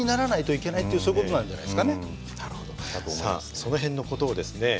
その辺の事をですね